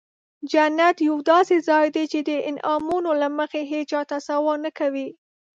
جنت یو داسې ځای دی چې د انعامونو له مخې هیچا تصور نه کوي.